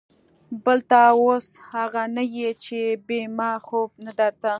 بل ته اوس اغه نه يې چې بې ما خوب نه درته.